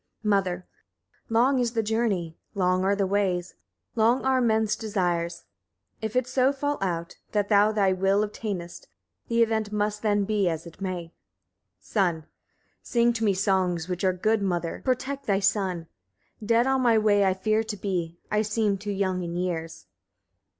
Mother. 4. Long is the journey, long are the ways, long are men's desires. If it so fall out, that thou thy will obtainest, the event must then be as it may. Son. 5. Sing to me songs which are good. Mother! protect thy son. Dead on my way I fear to be. I seem too young in years.